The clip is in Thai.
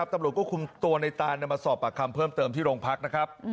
ตำรวจก็คุมตัวในตานมาสอบปากคำเพิ่มเติมที่โรงพักนะครับ